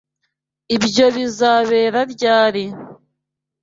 Ibyo bizabera ryari?